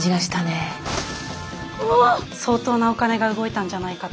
相当なお金が動いたんじゃないかと。